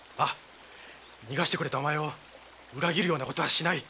逃がしてくれたお前を裏切るようなことはしない。